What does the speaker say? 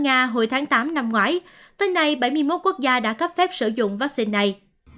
ông đã đăng ký ở nga hồi tháng tám năm ngoái tới nay bảy mươi một quốc gia đã cấp phép sử dụng vaccine này